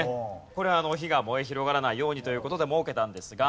これ火が燃え広がらないようにという事で設けたんですが。